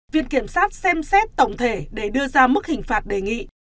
viện kiểm sát xem xét tổng thể để đưa ra mức hình phạt đề nghị